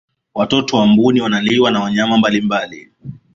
watoto wa mbuni wanaliwa na wanyama mbalimbali